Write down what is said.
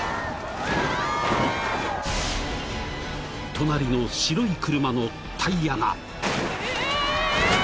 ［隣の白い車のタイヤが］